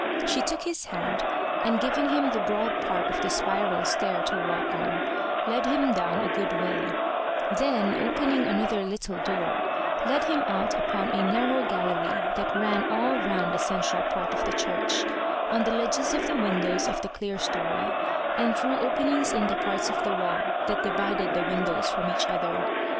She took his hand, and, giving him the broad part of the spiral stair to walk on, led him down a good way; then, opening another little door, led him out upon a narrow gallery that ran all round the central part of the church, on the ledges of the windows of the clerestory, and through openings in the parts of the wall that divided the windows from each other.